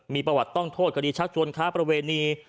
มีประวัติต้องโทษคดีชักชวนค้าประเวณี